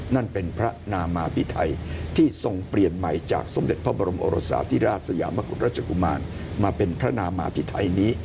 นั่นเป็นพระนามาพิไทยที่ทรงเปลี่ยนใหม่จากสมเด็จพระบรมโอรสาธิราชสยามกุฎราชกุมารมาเป็นพระนามาพิไทยนี้